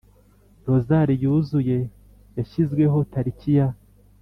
rozari yuzuye yashyizweho tariki ya